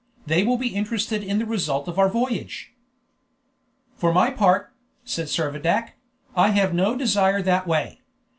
They will be interested in the result of our voyage." "For my part," said Servadac, "I have no desire that way.